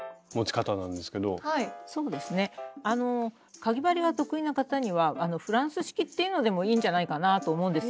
かぎ針が得意な方には「フランス式」っていうのでもいいんじゃないかなぁと思うんです。